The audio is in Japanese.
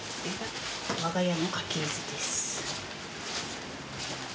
我が家の家系図です。